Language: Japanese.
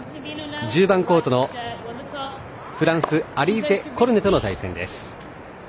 １０番コートのフランスアリーゼ・コルネとの対戦です。